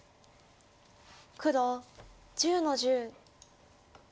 黒１０の十。